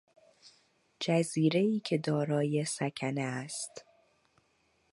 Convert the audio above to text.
جزیرهای که دارای سکنه است